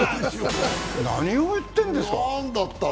何を言ってるんですか。